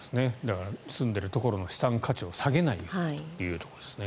住んでいるところの資産価値を下げないということですね。